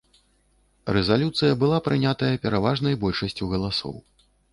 Рэзалюцыя была прынятая пераважнай большасцю галасоў.